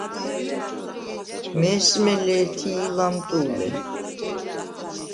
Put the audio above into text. მე̄სმე ლე̄თი̄ ლამტუ̄ლე.